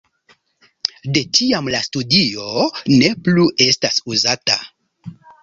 De tiam la studio ne plu estas uzata.